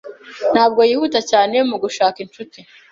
Ntabwo yihuta cyane mu gushaka inshuti.